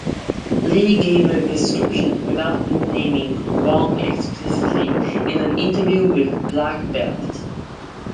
Lee gave a description, without naming Wong explicitly, in an interview with "Black Belt".